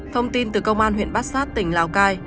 thông tin từ công an huyện bát sát tỉnh lào cai